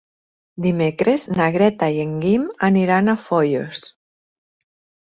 Dimecres na Greta i en Guim aniran a Foios.